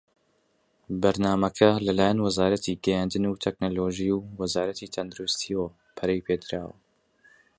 بەرنامەکە لە لایەن وەزارەتی گەیاندن وتەکنەلۆجی و وە وەزارەتی تەندروستییەوە پەرەی پێدراوە.